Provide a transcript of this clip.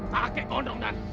takek gondong dan